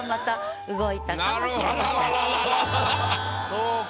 そうか。